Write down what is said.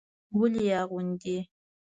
ولې يې اغوندي.